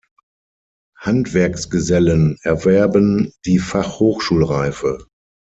Handwerksgesellen erwerben die Fachhochschulreife.